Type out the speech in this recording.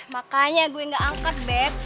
makanya gue gak angkat beb